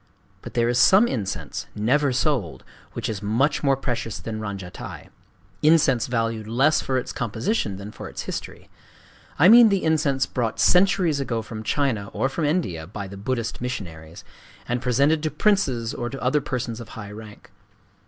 But there is some incense,—never sold,—which is much more precious than ranjatai,—incense valued less for its composition than for its history: I mean the incense brought centuries ago from China or from India by the Buddhist missionaries, and presented to princes or to other persons of high rank.